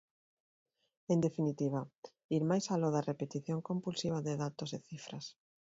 En definitiva, ir máis aló da repetición compulsiva de datos e cifras.